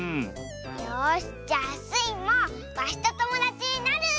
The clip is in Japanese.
よしじゃあスイもワシとともだちになる！